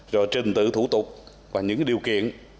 rồi trình tự thủ tục và những điều kiện